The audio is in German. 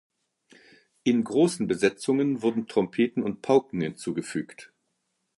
In großen Besetzungen wurden Trompeten und Pauken hinzugefügt.